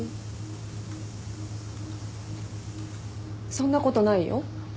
そんなことないよ。